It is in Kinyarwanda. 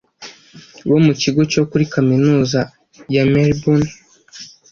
bo mu kigo cyo kuri Kaminuza ya Melbourne